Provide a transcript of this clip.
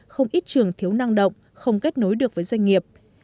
không ít trường thiếu năng động không kết nối được với doanh nghiệp